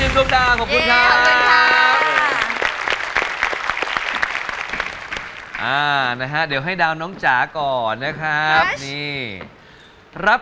โชคดีมากรอดีก็ไม่ยากตั้งแต่นั้นนะครับ